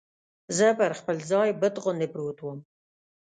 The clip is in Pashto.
زه پر خپل ځای بت غوندې پروت ووم.